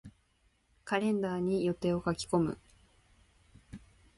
カレンダーに予定を書き込む。